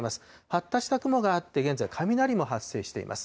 発達した雲があって、現在、雷も発生しています。